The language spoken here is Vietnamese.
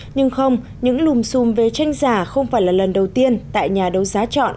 nhưng không những lùm xùm về tranh giả không phải là lần đầu tiên tại nhà đấu giá chọn